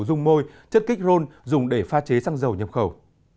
dung môi chất kích rôn dùng để pha chế xăng dầu nhập khẩu